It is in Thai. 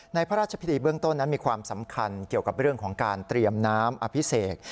พระราชพิธีเบื้องต้นนั้นมีความสำคัญเกี่ยวกับเรื่องของการเตรียมน้ำอภิเษก